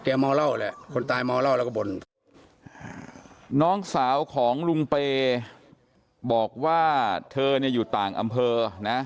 เมาเหล้าแหละคนตายเมาเหล้าแล้วก็บ่นน้องสาวของลุงเปย์บอกว่าเธอเนี่ยอยู่ต่างอำเภอนะ